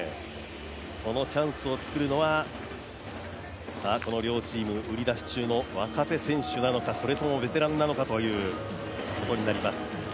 そのチャンスを作るのは、この両チーム売り出し中の若手選手なのか、それともベテランなのかということになります。